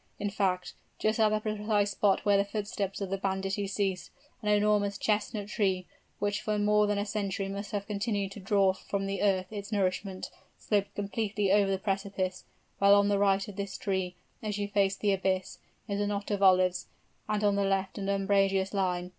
In fact, just at the precise spot where the footsteps of the banditti ceased, an enormous chestnut tree, which for more than a century must have continued to draw from the earth its nourishment, slopes completely over the precipice, while on the right of this tree, as you face the abyss, is a knot of olives, and on the left an umbrageous lime.